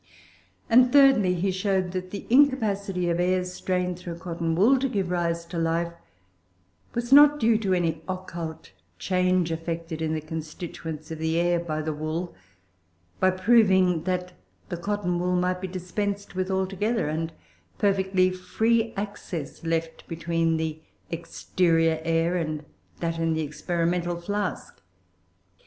And, thirdly, he showed that the incapacity of air strained through cotton wool to give rise to life, was not due to any occult change effected in the constituents of the air by the wool, by proving that the cotton wool might be dispensed with altogether, and perfectly free access left between the exterior air and that in the experimental flask.